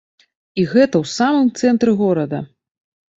І гэта ў самым цэнтры горада!